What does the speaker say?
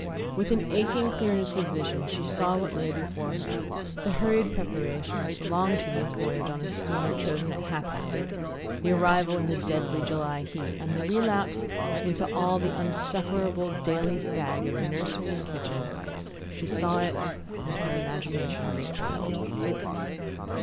With an aching clearness of vision she saw what lay before her the hurried preparations, the long tedious voyage on a steamer chosen at haphazard, the arrival in the deadly July heat, and the relapse into all the insufferable daily fag of nursery and kitchen she saw it and her imagination recoiled.